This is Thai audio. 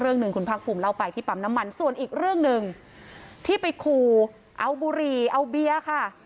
หนึ่งคุณภาคภูมิเล่าไปที่ปั๊มน้ำมันส่วนอีกเรื่องหนึ่งที่ไปขู่เอาบุหรี่เอาเบียร์ค่ะ